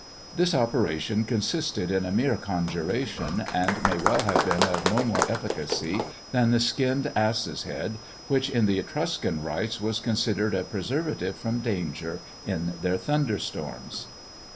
This operation consisted in a mere conjuration, and may well have been of no more efficacy than the skinned ass' head, which, in the Etruscan rites, was considered a preservative from danger in their thunder storms.